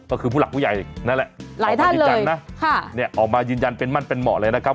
ก็คือผู้หลักผู้ใหญ่นั่นแหละออกมายืนยันนะออกมายืนยันเป็นมั่นเป็นเหมาะเลยนะครับ